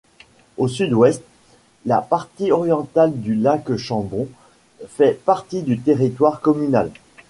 Au sud-ouest, la partie orientale du lac Chambon fait partie du territoire communal.